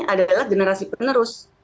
adalah generasi penerus